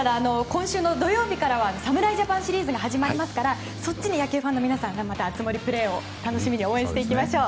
今週の土曜日からは侍ジャパンシリーズがやってきますから、そっちに野球ファンの皆さん熱盛プレーを楽しみに応援していきましょう。